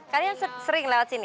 kalian sering lewat sini